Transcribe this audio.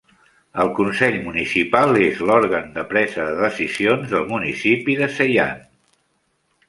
El Consell Municipal és l'òrgan de presa de decisions del municipi de Seyhan.